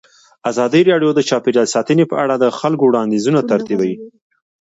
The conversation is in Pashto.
ازادي راډیو د چاپیریال ساتنه په اړه د خلکو وړاندیزونه ترتیب کړي.